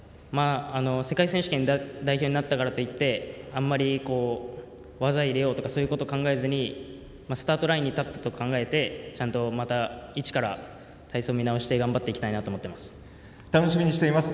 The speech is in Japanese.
世界選手権代表になったからといってあんまり技を入れようとかそういうことを考えずにスタートラインに立ったと考えてちゃんとまた一から体操を見直して頑張っていきたいと思っています。